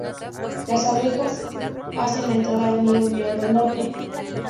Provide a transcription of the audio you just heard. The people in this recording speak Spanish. Las abejas hacen la entrada al nido mirando al norte.